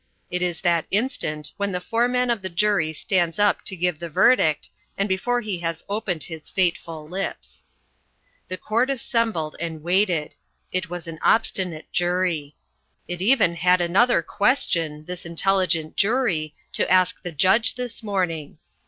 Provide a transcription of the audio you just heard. It is that instant when the foreman of the jury stands up to give the verdict, and before he has opened his fateful lips. The court assembled and waited. It was an obstinate jury. It even had another question this intelligent jury to ask the judge this morning.